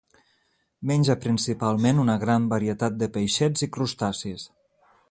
Menja principalment una gran varietat de peixets i crustacis.